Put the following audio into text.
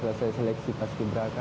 sejak sudah selesai seleksi paski beraka